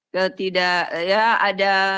ketidak ya ada